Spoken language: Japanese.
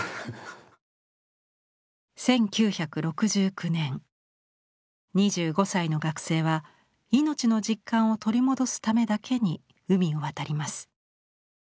１９６９年２５歳の学生は命の実感を取り戻すためだけに海を渡ります。